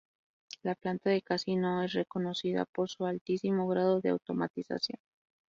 La planta de Cassino es reconocida por su altísimo grado de automatización.